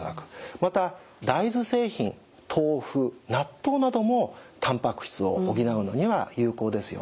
また大豆製品豆腐納豆などもたんぱく質を補うのには有効ですよね。